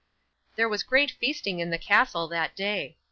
'There was great feasting at the castle, that day.